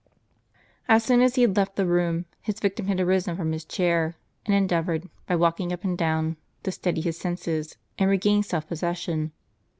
As soon as he had left the room, his victim had arisen from his chair, and endeavored, by walking up and down, to steady his senses and regain self possession.